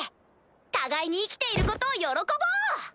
互いに生きていることを喜ぼう！